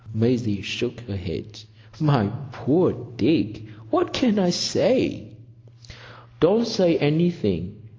Maisie shook her head. "My poor Dick, what can I say!" "Don't say anything.